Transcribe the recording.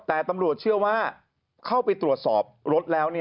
แต่ตำรวจเชื่อว่าเข้าไปตรวจสอบรถแล้ว